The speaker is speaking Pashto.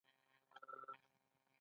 ګومان کوم چې واده په مخ کښې لري.